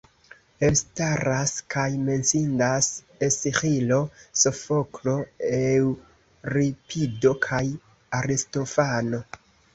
Elstaras kaj menciindas Esĥilo, Sofoklo, Eŭripido kaj Aristofano.